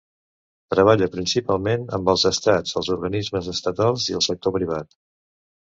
Treballa principalment amb els estats, els organismes estatals i el sector privat.